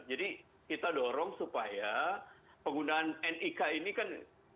jadi kita dorong supaya penggunaan nik ini kan